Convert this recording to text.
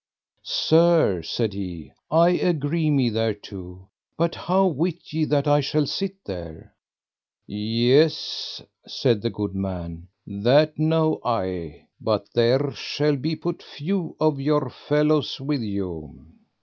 Sir, said he, I agree me thereto, but how wit ye that I shall sit there. Yes, said the good man, that know I, but there shall be but few of your fellows with you.